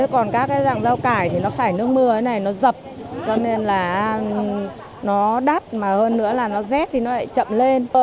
còn các dạng rau cải thì nó phải nước mưa nó dập cho nên là nó đắt mà hơn nữa là nó rét thì nó lại chậm lên